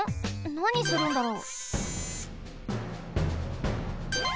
なにするんだろう？